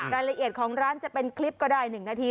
รายละเอียดของร้านจะเป็นคลิปก็ได้๑นาที